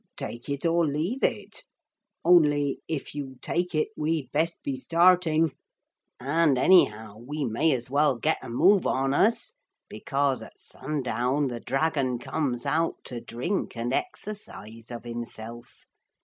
Take it or leave it. Only, if you take it we'd best be starting. And anyhow we may as well get a move on us, because at sundown the dragon comes out to drink and exercise of himself.